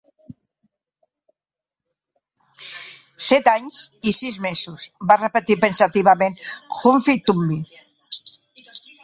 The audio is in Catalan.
"Set anys i sis mesos" va repetir pensativament Humpty Dumpty.